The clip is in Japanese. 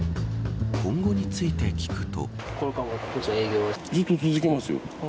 今後について聞くと。